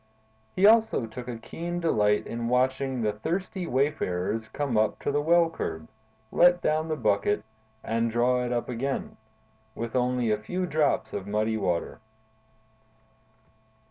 He also took a keen delight in watching the thirsty wayfarers come up to the well curb, let down the bucket, and draw it up again, with only a few drops of muddy water.